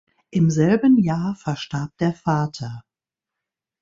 Im selben Jahr verstarb der Vater.